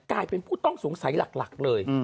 กลายเป็นผู้ต้องสงสัยหลักเลย